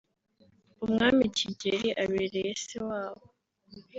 umwami Kigeli abereye se wabo